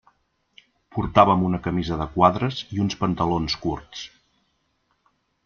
Portàvem una camisa de quadres i uns pantalons curts.